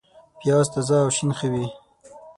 پیاز تازه او شین ښه وي